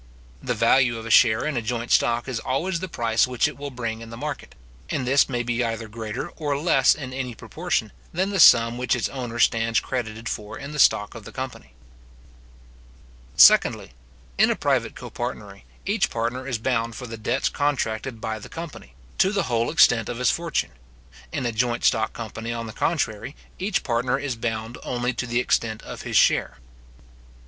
The value of a share in a joint stock is always the price which it will bring in the market; and this may be either greater or less in any proportion, than the sum which its owner stands credited for in the stock of the company. Secondly, In a private copartnery, each partner is bound for the debts contracted by the company, to the whole extent of his fortune. In a joint stock company, on the contrary, each partner is bound only to the extent of his share.